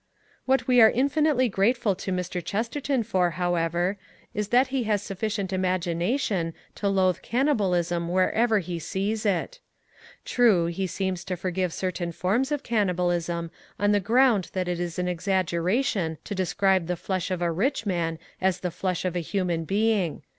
What we are infinitely grateful to Mr. Chesterton for, however, is that he has sufficient imagination to loathe cannibalism wherever he sees it. True, he seems to forgive certain forms of cannibalism on the ground that it is an exaggeration to describe the flesh of a rich man as the flesh of a human being.